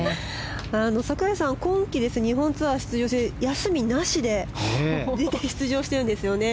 櫻井さん今季日本ツアー、休みなしで出場しているんですよね。